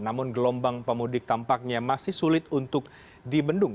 namun gelombang pemudik tampaknya masih sulit untuk dibendung